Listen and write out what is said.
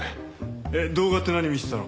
動画って何見てたの？